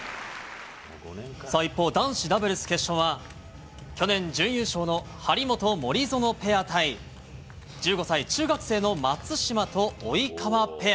さあ、一方、男子ダブルス決勝は、去年準優勝の張本・森薗ペア対１５歳中学生の松島と及川ペア。